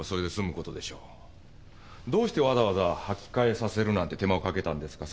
どうしてわざわざ履き替えさせる手間をかけたんですか？